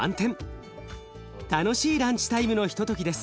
楽しいランチタイムのひとときです。